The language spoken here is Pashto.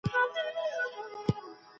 دا د اثر ښېګڼې هم څرګندوي.